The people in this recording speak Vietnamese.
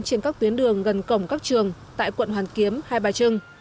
trên các tuyến đường gần cổng các trường tại quận hoàn kiếm hai bà trưng